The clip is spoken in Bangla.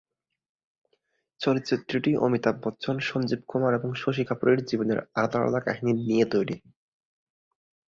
চলচ্চিত্রটি অমিতাভ বচ্চন, সঞ্জীব কুমার এবং শশী কাপুর এর জীবনের আলাদা আলাদা কাহিনী নিয়ে তৈরি।